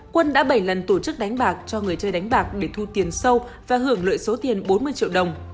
quân đã bảy lần tổ chức đánh bạc cho người chơi đánh bạc để thu tiền sâu và hưởng lợi số tiền bốn mươi triệu đồng